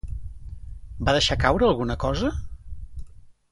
Va deixar caure alguna cosa?